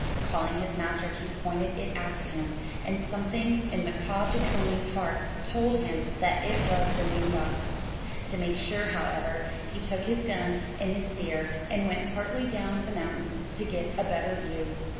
Calling his master, he pointed it out to him, and something in Mkaaah Jeechonee's heart told him that it was the noondah. To make sure, however, he took his gun and his spear and went partly down the mountain to get a better view.